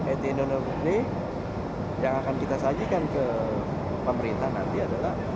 et indonesia yang akan kita sajikan ke pemerintah nanti adalah